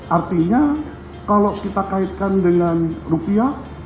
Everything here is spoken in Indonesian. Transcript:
artinya kalau kita kaitkan dengan rupiah